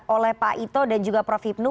oleh pak ito dan juga prof hipnu